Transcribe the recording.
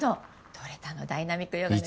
取れたのダイナミックヨガの予約。